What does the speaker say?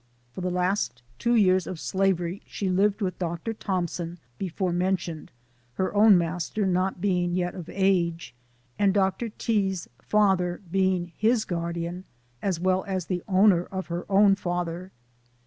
For the last two years of slavery she lived with Dr. Thompson, before men tioned, her own master not being yet of age, and Dr. T.'s father being his guardian, as w r ell as the owner of her own father.